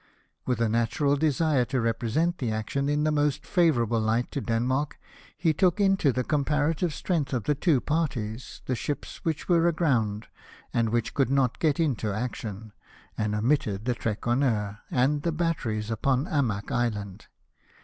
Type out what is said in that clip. With a natural desire to represent the action in the most favourable light to Denmark, he took into the comparative strength of the two parties the ships which were aground, and which could not get into action ; and omitted the Trekroner, and the batteries upon Amak Island.